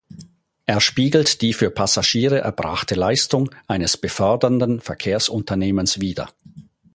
Er spiegelt die für Passagiere erbrachte Leistung eines befördernden Verkehrsunternehmens wider.